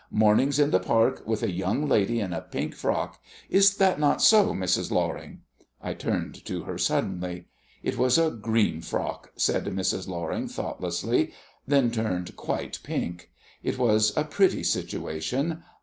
Mornings in the park, with a young lady in a pink frock is that not so, Mrs. Loring?" I turned to her suddenly. "It was a green frock," said Mrs. Loring thoughtlessly; then turned quite pink. It was a pretty situation.